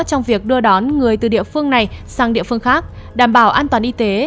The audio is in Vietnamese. trong việc đưa đón người từ địa phương này sang địa phương khác đảm bảo an toàn y tế